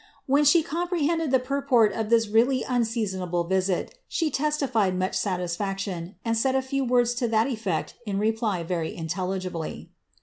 When she comprehended the purport of this really unseasonable visit, she testified much satisfaction, and said a few words to that eflect in reply very intelligibly.